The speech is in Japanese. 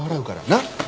なっ？